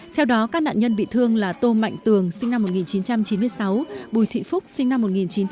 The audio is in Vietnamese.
theo đó các nạn nhân bị thương là tô mạnh tường sinh năm một nghìn chín trăm chín mươi sáu bùi thị phúc sinh năm một nghìn chín trăm chín mươi